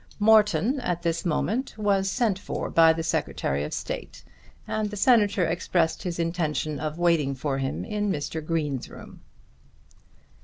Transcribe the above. Morton at this moment was sent for by the Secretary of State, and the Senator expressed his intention of waiting for him in Mr. Green's room.